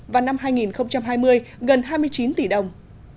vào năm hai nghìn hai mươi gần hai mươi chín tỷ đồng